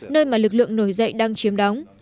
nơi mà lực lượng nổi dậy đang chiếm đóng